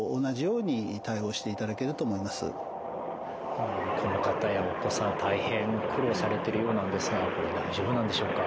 あのこの方やお子さん大変苦労されてるようなんですがこれ大丈夫なんでしょうか？